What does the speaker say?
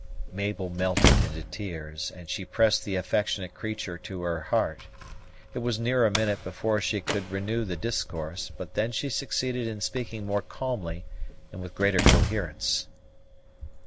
Mabel melted into tears, and she pressed the affectionate creature to her heart. It was near a minute before she could renew the discourse, but then she succeeded in speaking more calmly and with greater coherence.